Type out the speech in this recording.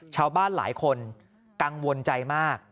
ชาวบ้านหลายคนกังวลใจมาก